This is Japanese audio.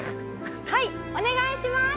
はいお願いします！